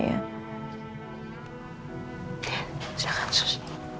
ya silahkan sus